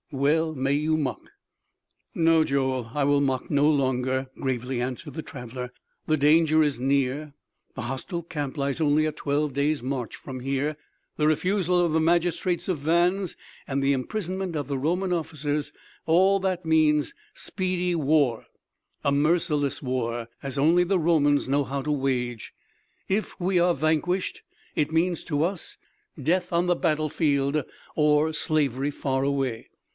Well may you mock!" "No, Joel, I will mock no longer," gravely answered the traveler. "The danger is near; the hostile camp lies only a twelve day's march from here; the refusal of the magistrates of Vannes and the imprisonment of the Roman officers all that means speedy war a merciless war, as only the Romans know how to wage! If we are vanquished it means to us death on the battle field, or slavery far away!